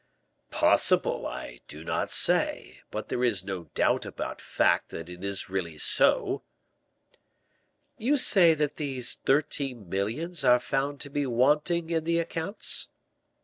"Possible I do not say; but there is no doubt about fact that it is really so." "You say that these thirteen millions are found to be wanting in the accounts?"